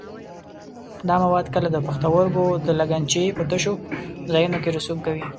دا مواد کله د پښتورګو د لګنچې په تشو ځایونو کې رسوب کوي.